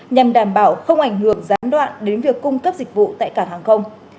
nhằm đảm bảo không ảnh hưởng gián đoạn đến việc cung cấp dịch vụ tại cảng hàng không